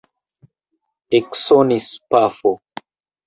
Eksonis pafo.